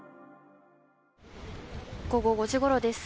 午後５時ごろです。